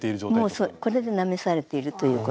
もうこれでなめされてるということです。